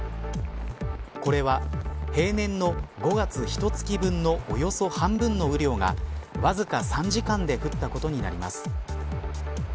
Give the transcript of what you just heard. これは平年の５月ひと月分のおよそ半分の雨量がわずか３時間で降ったことになります。